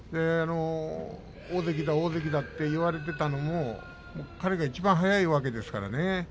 大関だ大関だと言われていたのも彼がいちばん早いわけですからね。